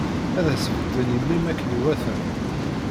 Ad as-bedden i mmi-m akken iwata.